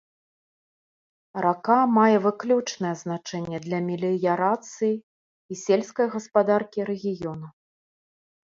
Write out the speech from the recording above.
Рака мае выключнае значэнне для меліярацыі і сельскай гаспадаркі рэгіёну.